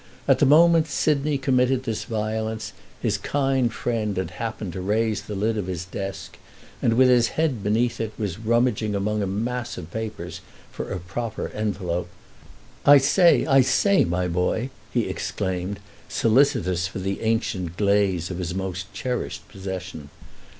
At the moment Sidney committed this violence his kind friend had happened to raise the lid of the desk and, with his head beneath it, was rummaging among a mass of papers for a proper envelope. "I say, I say, my boy!" he exclaimed, solicitous for the ancient glaze of his most cherished possession.